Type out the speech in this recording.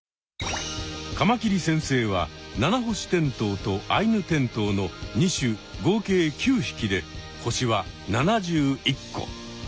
カマキリ先生はナナホシテントウとアイヌテントウの２種合計９ひきで星は７１個。